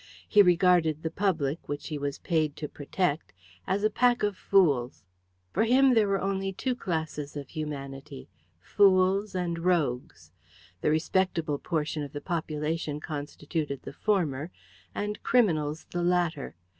He regarded the public, which he was paid to protect, as a pack of fools. For him, there were only two classes of humanity fools and rogues. The respectable portion of the population constituted the former, and criminals the latter.